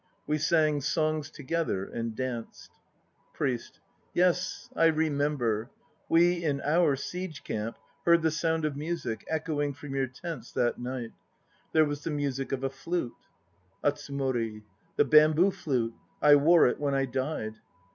We sang songs together, and danced. PRIEST. Yes, I remember; we in our siege camp Heard the sound of music Echoing from your tents that night; There was the music of a flute ... ATSUMORI. The bamboo flute! I wore it when I died.